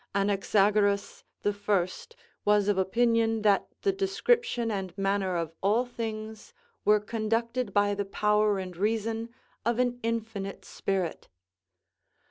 Anaxagoras the first, was of opinion that the description and manner of all things were conducted by the power and reason of an infinite spirit.